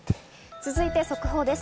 続いては速報です。